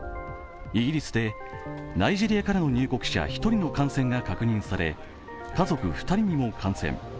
イギリスでナイジェリアからの入国者１人の感染が確認され家族２人も感染。